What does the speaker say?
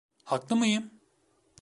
Haklı mıyım?